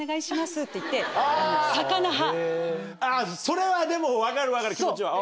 それはでも分かる分かる気持ちは。